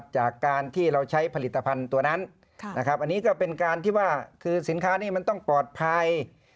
จากการที่เราใช้ผลิตภัณฑ์ตัวนั้นอันนี้ก็เป็นการที่ว่าคือสินค้านี้มันต้องปลอดภัย